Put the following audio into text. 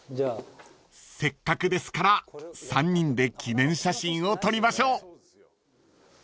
［せっかくですから３人で記念写真を撮りましょう］